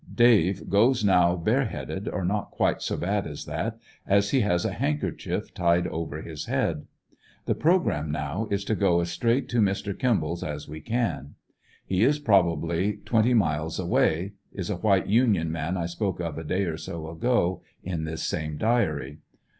Dave goes now bareheaded, or not quite so bad as that, as he has a handkerchief tied over his head. The programme now is to go as straight to Mr. Kimball's as we can. He is probably twenty miles away; is a white Union man I spoke of a day or so ago in this same diary.